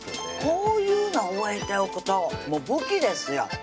こういうの覚えておくともう武器ですよ